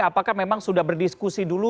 apakah memang sudah berdiskusi dulu